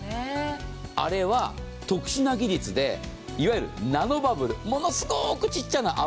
あれは特殊な技術で、いわゆるナノバブル、ものすごくちっちゃな泡。